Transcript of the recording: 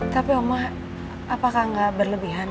tapi omah apakah gak berlebihan